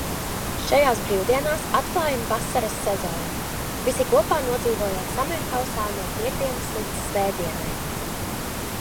Šajās brīvdienās atklājam vasaras sezonu, visi kopā nodzīvojot sammerhausā no piektdienas līdz svētdienai.